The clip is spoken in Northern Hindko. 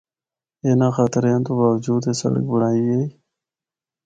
اِناں خطریاں تو باوجو اے سڑک بنڑائی گئی۔